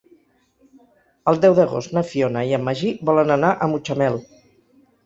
El deu d'agost na Fiona i en Magí volen anar a Mutxamel.